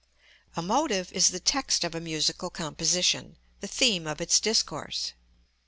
A motive is the text of a musical composition, the theme of its discourse.